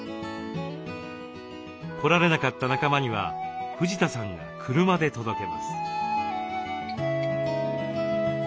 来られなかった仲間には藤田さんが車で届けます。